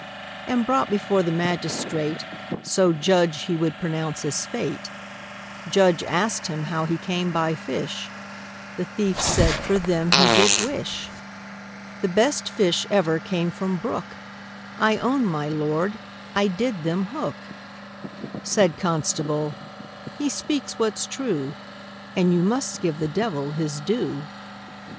And brought before the magistrate, So judge he would pronounce his fate, Judge asked him how he came by fish, The thief said for them he did wish, The best fish ever came from brook, I own, my Lord, I did them hook, Said constable, he speaks what's true, And you must give the devil his due.